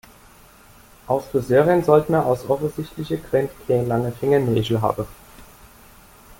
Als Friseurin sollte man aus offensichtlichen Gründen keine langen Fingernägel haben.